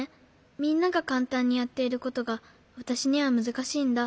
みんながかんたんにやっていることがわたしにはむずかしいんだ。